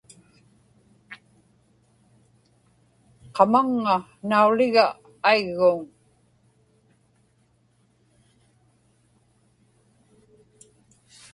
qamaŋŋa nauliga aigguuŋ